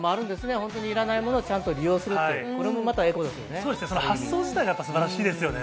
本当にいらないものをちゃんと利用するって、これもまたエコですよね。